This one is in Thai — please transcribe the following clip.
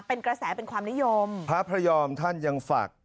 เป็นกระแสเป็นความนิยมพระพระยอมท่านยังฝาก